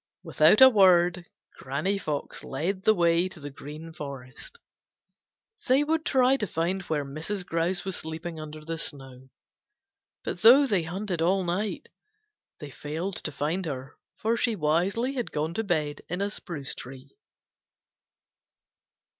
Without a word Granny Fox led the way to the Green Forest. They would try to find where Mrs. Grouse was sleeping under the snow. But though they hunted all night, they failed to find her, for she wisely had gone to bed in a spruce tree.